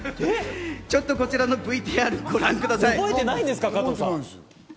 ちょっと、こちらのＶＴＲをご覧ください。